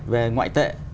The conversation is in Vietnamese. về ngoại tệ